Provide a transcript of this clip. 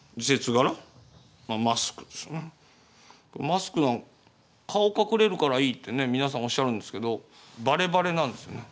マスク顔隠れるからいいってね皆さんおっしゃるんですけどバレバレなんですね。